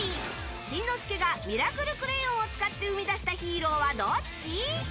しんのすけがミラクルクレヨンを使って生み出したヒーローはどっち？